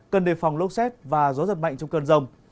cần đề phòng lốc xét và gió giật mạnh trong cơn rông